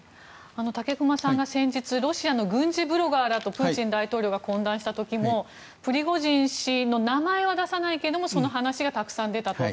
武隈さんが先日ロシアの軍事ブロガーらとプーチン大統領が懇談した時もプリゴジン氏の名前は出さないけどもその話がたくさん出たと。